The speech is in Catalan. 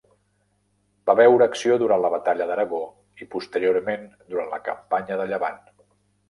Va veure acció durant la batalla d'Aragó i, posteriorment, durant la campanya de Llevant.